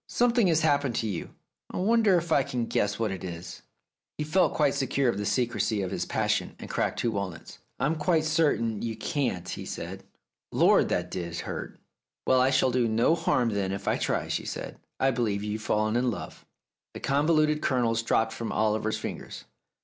"Something has happened to you. I wonder if I can guess what it is ?" He felt quite secure of the secrecy of his passion, and cracked two walnuts. "I'm quite certain ) r ou can't," he said. "Lord, that did hurt !" "Well, I shall do no harm then if I try," said she. "I believe you've fallen in love." The convoluted kernels dropped from Oliver's fingers.